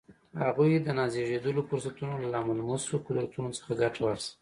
هغوی د نازېږېدلو فرصتونو له ناملموسو قدرتونو څخه ګټه واخیسته